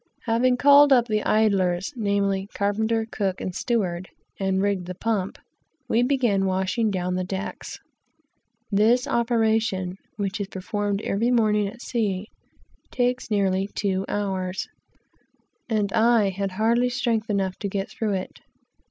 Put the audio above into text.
Having called up the "idlers," namely carpenter, cook, steward, etc., and rigged the pump, we commenced washing down the decks. This operation, which is performed every morning at sea, takes nearly two hours; and I had hardly strength enough to get through it.